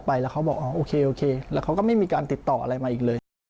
ไปแล้วเขาบอกโอเคและเขาก็ไม่มีการติดต่ออะไรมาอีก